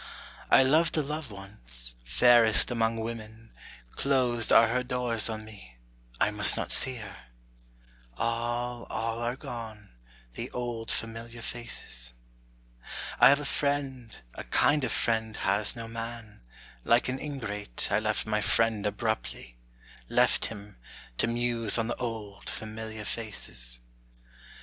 I loved a Love once, fairest among women: Closed are her doors on me, I must not see her, All, all are gone, the old familiar faces. I have a friend, a kinder friend has no man: Like an ingrate, I left my friend abruptly; Left him, to muse on the old familiar faces.